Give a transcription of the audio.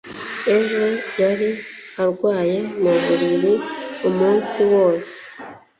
ejo yari arwaye mu buriri umunsi wose